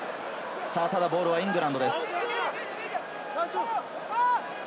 ボールはイングランドです。